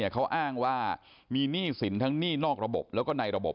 เขาอ้างว่ามีหนี้สินทั้งหนี้นอกระบบแล้วก็ในระบบ